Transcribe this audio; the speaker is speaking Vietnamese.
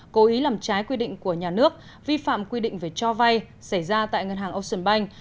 cố ý làm trái quy định của nhà nước vi phạm quy định về cho vay xảy ra tại ngân hàng ocean bank